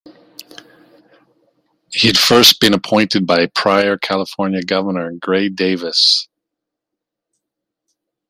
He had first been appointed by prior California Governor Gray Davis.